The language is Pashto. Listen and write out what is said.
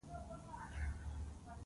د ډهلي ښار د هغه په لاس کې وو.